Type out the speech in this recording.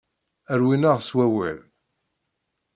Rwin-aɣ s wawal.